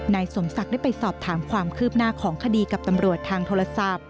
นายสมศักดิ์ได้ไปสอบถามความคืบหน้าของคดีกับตำรวจทางโทรศัพท์